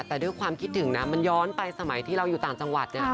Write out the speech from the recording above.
แต่ด้วยความคิดถึงนะมันย้อนไปสมัยที่เราอยู่ต่างจังหวัดเนี่ย